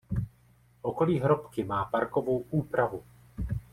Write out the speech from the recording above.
Okolí hrobky má parkovou úpravu.